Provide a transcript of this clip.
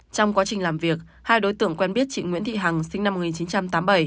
trong quá trình làm việc hai đối tượng quen biết chị nguyễn thị hằng sinh năm một nghìn chín trăm tám mươi bảy